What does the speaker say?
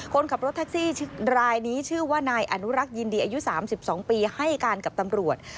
คนขับรถแท็กซี่รายนี้ชื่อว่านายอนุรักษ์ยินดีอายุ๓๒ปีให้การกับตำรวจ